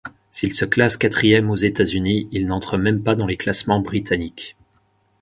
S'il se classe quatrième aux États-Unis, il n'entre même pas dans les classements britanniques.